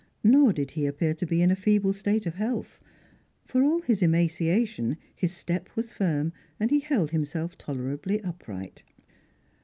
Nor did he appear to be in a feeble state of health; for all his emaciation, his step was firm and he held himself tolerably upright.